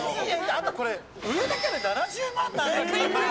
あんたこれ上だけで７０万なんだから。